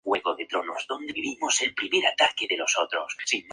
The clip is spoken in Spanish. Este niño no para de hablar ni debajo del agua